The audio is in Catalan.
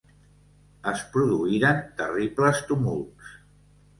Es produïren terribles tumults